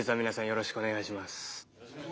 よろしくお願いします。